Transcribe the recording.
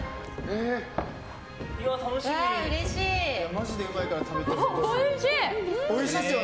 マジでうまいから食べてほしい。